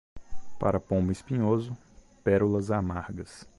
Para pombo espinhoso, pérolas amargas.